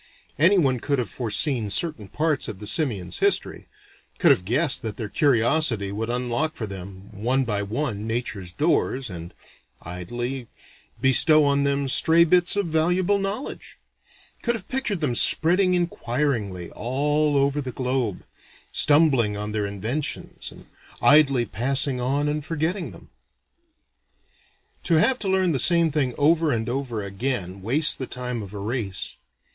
Anyone could have foreseen certain parts of the simians' history: could have guessed that their curiosity would unlock for them, one by one, nature's doors, and idly bestow on them stray bits of valuable knowledge: could have pictured them spreading inquiringly all over the globe, stumbling on their inventions and idly passing on and forgetting them. To have to learn the same thing over and over again wastes the time of a race.